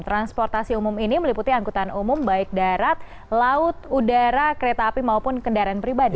transportasi umum ini meliputi angkutan umum baik darat laut udara kereta api maupun kendaraan pribadi